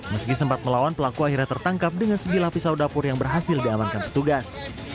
meski sempat melawan pelaku akhirnya tertangkap dengan sebilah pisau dapur yang berhasil diamankan petugas